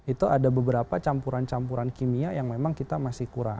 itu ada beberapa campuran campuran kimia yang memang kita masih kurang